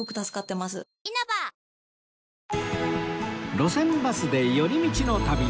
『路線バスで寄り道の旅』